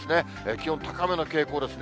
気温高めの傾向ですね。